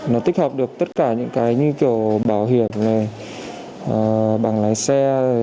nó tích hợp được tất cả những cái như kiểu bảo hiểm này bằng lái xe